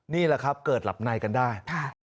นี่แหละครับเกิดหลับในกันได้